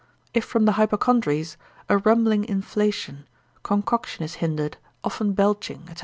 If from the hypochondries, a rumbling inflation, concoction is hindered, often belching, &c.